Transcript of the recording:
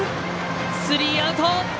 スリーアウト！